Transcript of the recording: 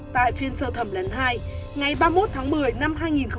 tại phiên sơ thẩm lần hai ngày ba mươi một tháng một mươi năm hai nghìn một mươi ba